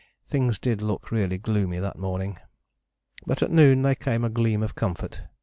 Things did look really gloomy that morning. But at noon there came a gleam of comfort.